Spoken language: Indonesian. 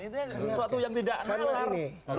itu yang tidak nalar